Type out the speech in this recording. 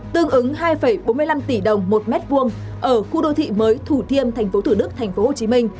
tương ứng hai bốn mươi năm tỷ đồng một m hai ở khu đô thị mới thủ thiêm tp thủ đức tp hcm